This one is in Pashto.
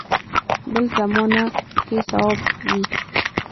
بل زمانه کې صواب وي.